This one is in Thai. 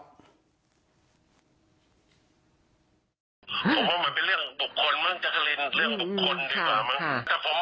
ผมว่ามันเป็นเรื่องบุคคลมั้งจักรินเรื่องบุคคลดีกว่ามั้ง